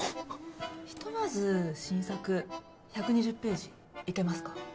ひとまず新作１２０ページいけますか？